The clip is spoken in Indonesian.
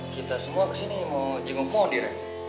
kita semua kesini mau jenguk poh di re